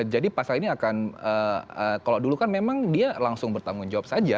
jadi pasal ini akan kalau dulu kan memang dia langsung bertanggung jawab